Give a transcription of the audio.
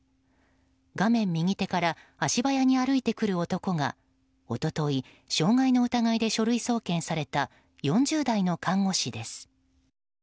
画面右手から足早に歩いてくる男が一昨日傷害の疑いで書類送検された４０代の看護師です。